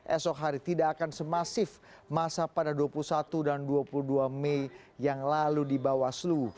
esok hari tidak akan semasif masa pada dua puluh satu dan dua puluh dua mei yang lalu di bawaslu